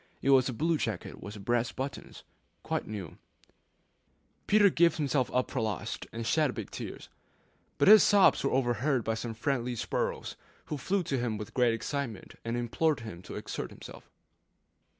It was a blue jacket with brass buttons, quite new. Peter gave himself up for lost, and shed big tears; but his sobs were overheard by some friendly sparrows, who flew to him in great excitement, and implored him to exert himself.